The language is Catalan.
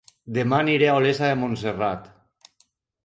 Dema aniré a Olesa de Montserrat